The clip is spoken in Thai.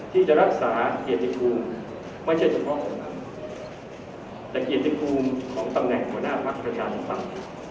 ที่จะรักษาเกียรติภูมิไม่ใช่เฉพาะของท่านแต่เกียรติภูมิของตำแหน่งหัวหน้าพักประชาธิปัตย์